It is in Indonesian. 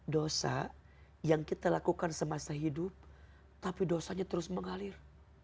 dosa yang kita lakukan semasa hidup tapi dosanya terus mengalir